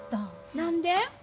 何で？